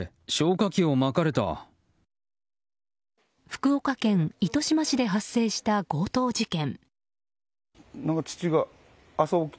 福岡県糸満市で発生した強盗事件。